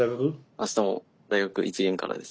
あしたも大学１限からです。